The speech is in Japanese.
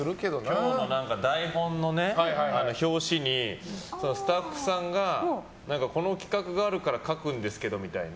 今日の台本の表紙にスタッフさんがこの企画があるから書くんですけどみたいな。